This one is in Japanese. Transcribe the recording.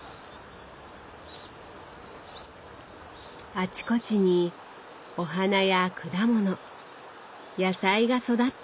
あちこちにお花や果物野菜が育っていて。